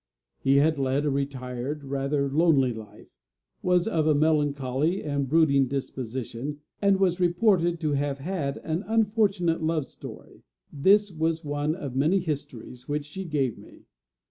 He had led a retired, rather lonely life, was of a melancholy and brooding disposition, and was reported to have had an unfortunate love story. This was one of many histories which she gave me.